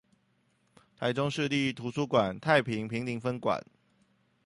臺中市立圖書館太平坪林分館